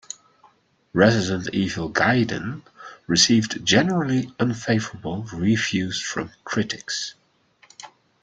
"Resident Evil Gaiden" received generally unfavorable reviews from critics.